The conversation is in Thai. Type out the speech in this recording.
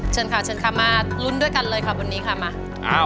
เชิญค่ะเชิญค่ะมาลุ้นด้วยกันเลยค่ะวันนี้ค่ะมา